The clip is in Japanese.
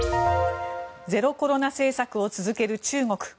ゼロコロナ政策を続ける中国。